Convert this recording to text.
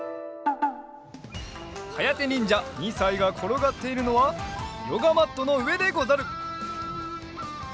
はやてにんじゃ２さいがころがっているのはヨガマットのうえでござる。